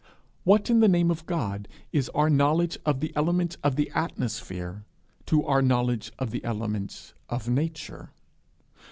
What in the name of God is our knowledge of the elements of the atmosphere to our knowledge of the elements of Nature?